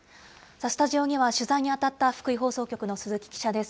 スタジオには取材に当たった福井放送局の鈴木記者です。